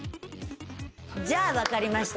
じゃあ分かりました。